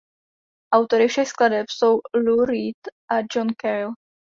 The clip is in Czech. Autory všech skladeb jsou Lou Reed a John Cale.